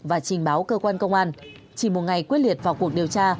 và trình báo cơ quan công an chỉ một ngày quyết liệt vào cuộc điều tra